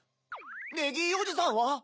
ネギーおじさんは？